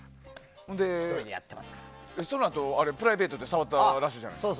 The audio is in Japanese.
そのあとプライベートで触ったらしいじゃないですか。